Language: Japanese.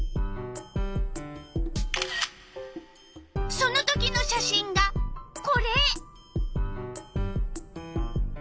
そのときの写真がこれ！